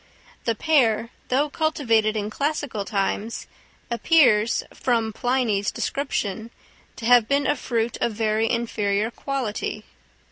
The pear, though cultivated in classical times, appears, from Pliny's description, to have been a fruit of very inferior quality.